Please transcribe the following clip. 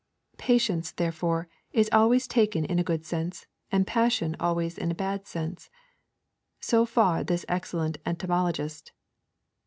Patience, therefore, is always taken in a good sense, and Passion always in a bad sense.' So far this excellent etymologist.